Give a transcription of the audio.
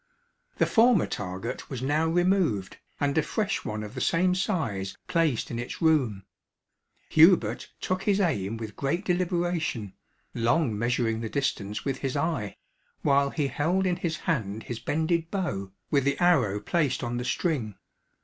The former target was now removed, and a fresh one of the same size placed in its room. Hubert took his aim with great deliberation, long measuring the distance with his eye, while he held in his hand his bended bow, with the arrow placed on the string.